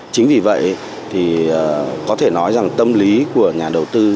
chính vì vậy thì có thể nói rằng tâm lý của nhà đầu tư